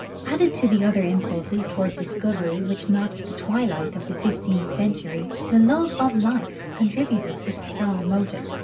Added to the other impulses toward discovery vhich marked the twiliglit of the fifteenth century, the love of life contributed its strong motives.